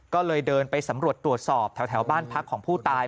ก็เลยเดินไปสำรวจตรวจสอบแถวบ้านพักของผู้ตาย